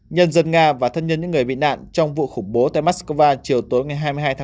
nhân dân nga và thân nhân những người bị nạn trong vụ khủng bố tại moscow chiều tối hai mươi hai ba